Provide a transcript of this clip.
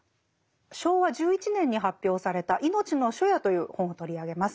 昭和１１年に発表された「いのちの初夜」という本を取り上げます。